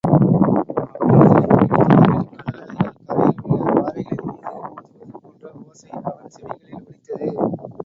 அப்பொழுது வெகு தொலைவில், கடல் அலைகள் கரையிலுள்ள பாறைகளின்மீது மோதுவது போன்ற ஓசை அவன் செவிகளில் ஒலித்தது.